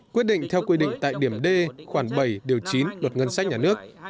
quyết định theo quy định tại điểm d khoản bảy điều chín luật ngân sách nhà nước